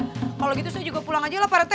kalau gitu saya juga pulang aja lah pak reto